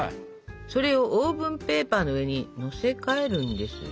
それをオーブンペーパーの上に載せ替えるんですよ。